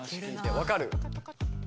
分かる？